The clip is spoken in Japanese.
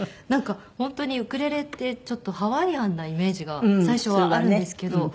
なんか本当にウクレレってちょっとハワイアンなイメージが最初はあるんですけど。